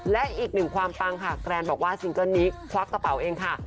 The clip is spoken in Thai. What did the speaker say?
และอีกหนึ่งความปังค่ะแกรนบอกว่าซิงเกิ้ลนี้ควักกระเป๋าเองค่ะ